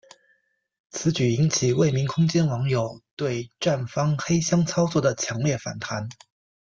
此举引起未名空间网友对站方黑箱操作的强烈反弹。